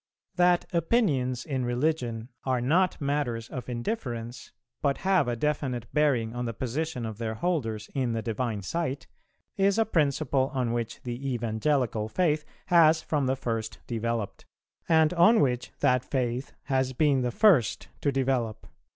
That opinions in religion are not matters of indifference, but have a definite bearing on the position of their holders in the Divine Sight, is a principle on which the Evangelical Faith has from the first developed, and on which that Faith has been the first to develope.